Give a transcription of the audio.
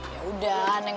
ya udah neng